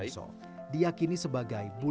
hanya dihidup pin ral